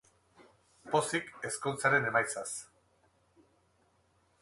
Pozik, ezkontzaren emaitzaz.